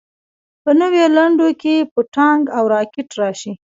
په نویو لنډیو کې به ټانک او راکټ راشي.